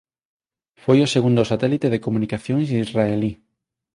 Foi o segundo satélite de comunicacións israelí.